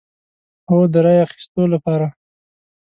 هو، د رای اخیستو لپاره